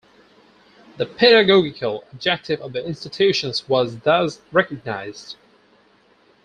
The pedagogical objective of the institutions was thus recognised.